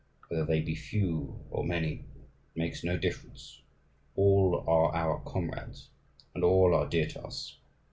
Whether they be few or many, it makes no difference; all are our comrades, and all are dear to us.